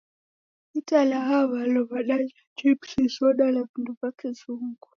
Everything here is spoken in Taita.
Itanaha w'andu w'adaja chipsi, soda na vindo va Kizungu.